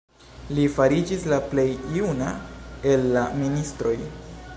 Li fariĝis la plej juna el la ministroj.